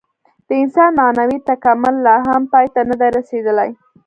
د انسان معنوي تکامل لا هم پای ته نهدی رسېدلی.